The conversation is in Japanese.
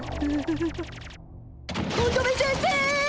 乙女先生！